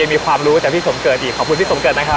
มีความรู้จากพี่สมเกิดอีกขอบคุณพี่สมเกิดนะครับ